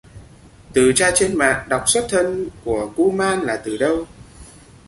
Từ tra trên mạng đọc xuất thân của kuman là từ đâu